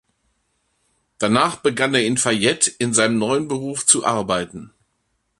Danach begann er in Fayette in seinem neuen Beruf zu arbeiten.